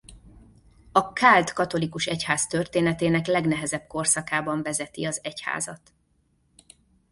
A káld katolikus egyház történetének legnehezebb korszakában vezeti az egyházat.